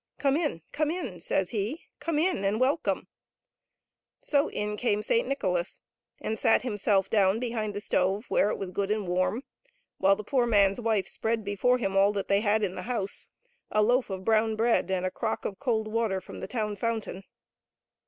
Come in, come in !" says he, " come in and welcome !" So in came Saint Nicholas, and sat himself down behind the stove where it was good and warm, while the poor man's wife spread before him all that they had in the house — a loaf of brown bread and a crock of cold water from the town fountain.